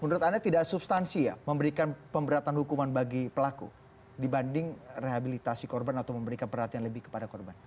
menurut anda tidak substansi ya memberikan pemberatan hukuman bagi pelaku dibanding rehabilitasi korban atau memberikan perhatian lebih kepada korban